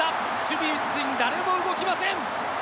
守備陣誰も動きません！